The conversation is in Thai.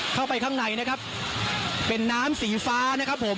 เข้าไปข้างในนะครับเป็นน้ำสีฟ้านะครับผม